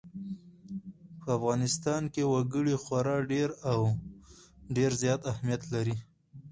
په افغانستان کې وګړي خورا ډېر او ډېر زیات اهمیت لري.